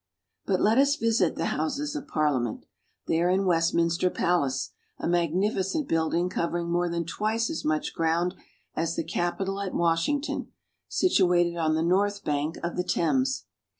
But let us visit the Houses of Parliament. They are in Westminster Palace, a magnificent building covering more than twice as much ground as the Capitol at Washington, situated on the north bank of the Thames.